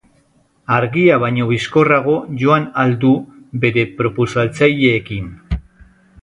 Argia baino bizkorrago joan ahal du bere propultsatzaileekin.